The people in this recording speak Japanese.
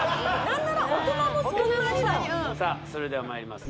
何ならさあそれではまいります